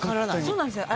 そうなんですよ。